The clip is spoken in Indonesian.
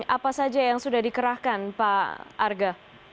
apa saja yang sudah dikerahkan pak arga